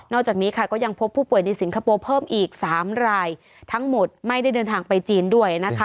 จากนี้ค่ะก็ยังพบผู้ป่วยในสิงคโปร์เพิ่มอีก๓รายทั้งหมดไม่ได้เดินทางไปจีนด้วยนะคะ